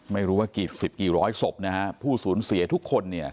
ไม่รู้ว่ากี่สิบกี่ร้อยศพผู้ศูนย์เสียทุกคน